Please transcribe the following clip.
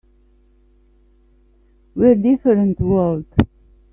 We're a different world.